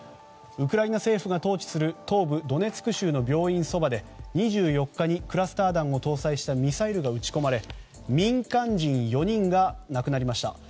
ウクライナ政府が統治する東部ドネツク州の病院そばで２４日にクラスター弾を搭載したミサイルが撃ち込まれ民間人４人が亡くなりました。